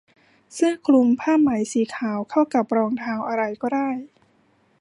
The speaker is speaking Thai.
เสื้อคลุมผ้าไหมสีขาวเข้ากับรองเท้าอะไรก็ได้